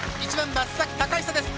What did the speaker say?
松崎貴久です。